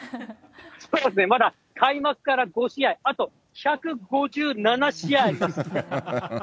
そうですね、まだ開幕から５試合、あと１５７試合あります。